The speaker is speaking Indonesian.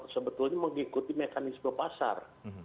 sebetulnya mengikuti mekanisme pasar